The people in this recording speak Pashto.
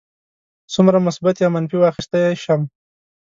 څومره یې مثبت یا منفي واخیستی شم.